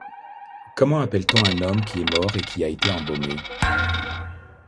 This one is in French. Comment appelle-t-on un homme qui est mort et qui a été embaumé ?